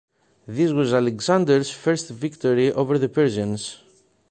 This was Alexander's first victory over the Persians.